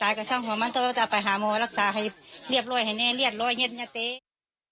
ตายก็ช่องหวังมันต้องต้องไปหาโมรักษาให้เรียบร่อยไหนเรียบร่อยเนี่ยน้าเต๊ะ